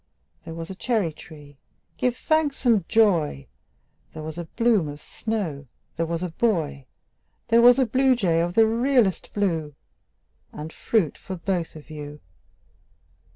There was a cherry tree, give thanks and joy! There was a bloom of snow There was a boy There was a bluejay of the realest blue And fruit for both of you.